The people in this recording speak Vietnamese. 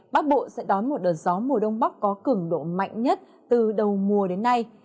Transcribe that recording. bắc bộ sẽ đón một đợt gió mùa đông bắc có cứng độ mạnh nhất từ đầu mùa đến nay